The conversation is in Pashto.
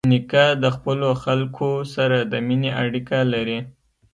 نیکه د خپلو خلکو سره د مینې اړیکه لري.